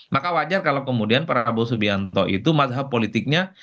maka wajar kalau kemudian prabowo subianto itu mazhab politiknya